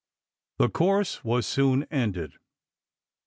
The course was soon ended.